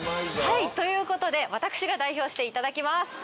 はいということで私が代表していただきます。